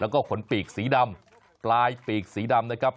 แล้วก็ขนปีกสีดำปลายปีกสีดำนะครับ